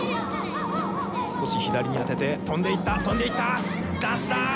少し左に当てて飛んでいった飛んでいった！